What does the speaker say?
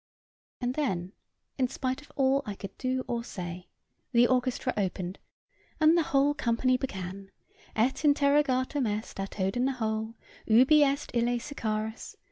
And then, in spite of all I could do or say, the orchestra opened, and the whole company began "Et interrogatum est à Toad in the hole Ubi est ille Sicarius?